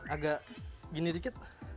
agak gini dikit